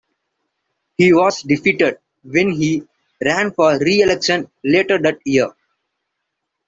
He was defeated when he ran for reelection later that year.